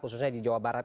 khususnya di jawa barat